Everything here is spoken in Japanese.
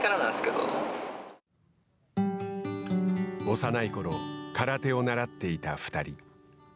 幼いころ空手を習っていた２人。